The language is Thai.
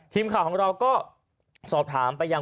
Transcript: ทีมข่าวของเราก็สอบถามไปยัง